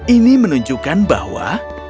ini menunjukkan bahwa